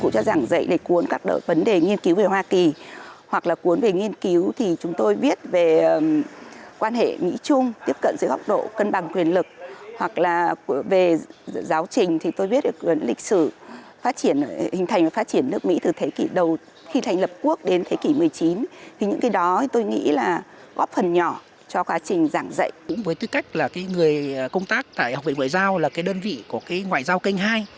với tư cách là người công tác tại học viện ngoại giao là đơn vị của ngoại giao kênh hai